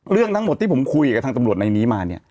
เรื่องทั้งหมดที่ผมคุยกับทางตำรวจในนี้มาเนี่ย